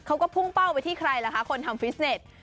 เขาก็พุ่งเป้าไปที่ใครล่ะคะคนทำฟิตเน็ต